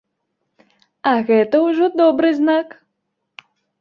А гэта ўжо добры знак.